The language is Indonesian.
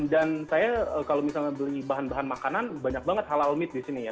dan saya kalau misalnya beli bahan bahan makanan banyak banget halal meat di sini ya